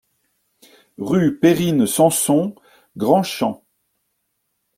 Rue Perrine Samson, Grand-Champ